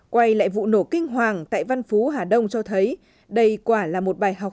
quay lại vụ nổ kinh hoàng tại văn phú hà đông cho thấy đây quả là một bài học